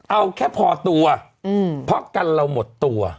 เอาแค่พอตัวเพราะกันเราหมดตัว